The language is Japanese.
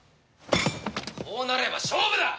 こうなれば勝負だ！